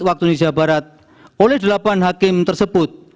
waktu indonesia barat oleh delapan hakim tersebut